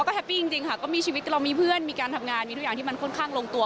ก็แฮปปี้จริงค่ะก็มีชีวิตเรามีเพื่อนมีการทำงานมีทุกอย่างที่มันค่อนข้างลงตัว